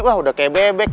wah udah kayak bebek